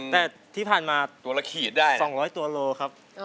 แต่ที่ผ่านมา๒๐๐ตัวโลครับ